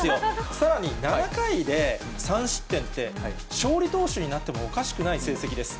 さらに、７回で３失点って、勝利投手になってもおかしくない成績です。